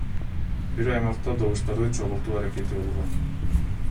Бир аймакта добуштарды чогултуу аракети болгон.